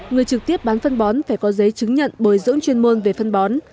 người trực tiếp bán phân bón phải có giấy chứng nhận bồi dưỡng chuyên môn về phân bón